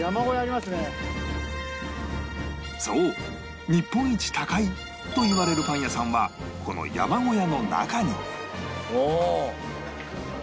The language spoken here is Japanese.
そう日本一高い！？と言われるパン屋さんはこの山小屋の中にはあ！